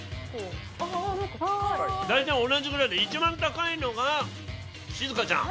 大体同じぐらいで一番高いのが静香ちゃん。